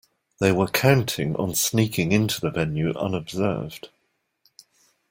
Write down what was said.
They were counting on sneaking in to the venue unobserved